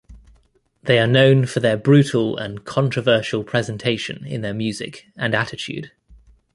They are known for their brutal and controversial presentation in their music and attitude.